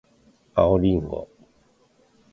青りんご